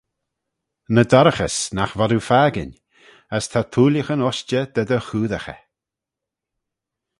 "Ny dorraghys, nagh vod oo fakin; as ta thooillaghyn ushtey dy dty choodaghey."